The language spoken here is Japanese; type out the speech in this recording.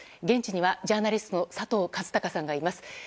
現地にはジャーナリストの佐藤和孝さんがいます。